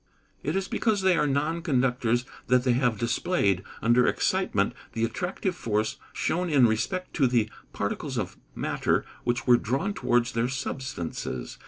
_ It is because they are non conductors that they have displayed, under excitement, the attractive force shown in respect to the particles of matter which were drawn towards their substances.